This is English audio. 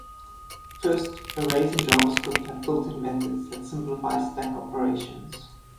First, arrays in JavaScript have built-in methods that simplify stack operations.